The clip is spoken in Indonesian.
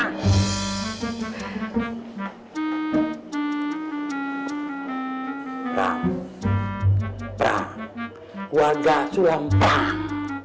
perang perang warga sulam perang